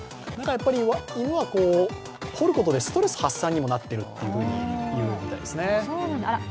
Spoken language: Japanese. やっぱり犬は掘ることでストレス発散にもなっているみたいですね。